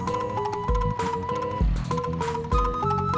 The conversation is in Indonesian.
sebelum ke markas